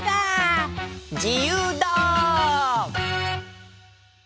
じゆうだ！